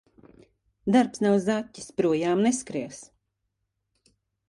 Darbs nav zaķis – projām neskries.